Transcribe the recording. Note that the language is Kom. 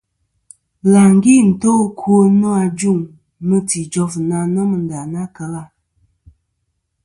Bɨlàŋgi nto ɨkwo nô ajuŋ mɨti ijof na nomɨ nda na kel a.